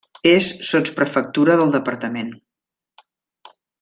És sotsprefectura del departament.